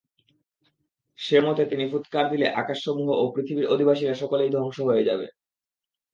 সে মতে তিনি ফুৎকার দিলে আকাশসমূহ ও পৃথিবীর অধিবাসীরা সকলেই ধ্বংস হয়ে যাবে।